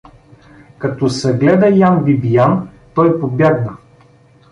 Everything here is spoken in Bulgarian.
Като съгледа Ян Бибиян, той побягна.